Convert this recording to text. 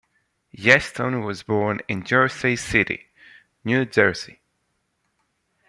Yeston was born in Jersey City, New Jersey.